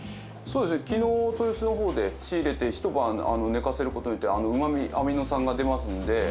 きのう、豊洲のほうで仕入れて、一晩寝かせることによって、うまみ、アミノ酸が出ますんで。